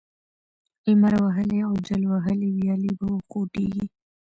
لمر وهلې او جل وهلې ويالې به وخوټېږي،